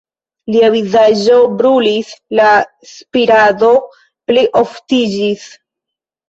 Lia vizaĝo brulis, la spirado plioftiĝis.